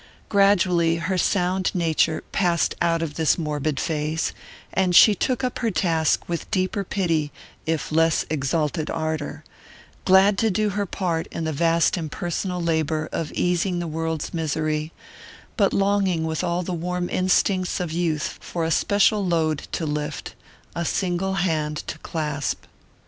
Gradually her sound nature passed out of this morbid phase, and she took up her task with deeper pity if less exalted ardour; glad to do her part in the vast impersonal labour of easing the world's misery, but longing with all the warm instincts of youth for a special load to lift, a single hand to clasp.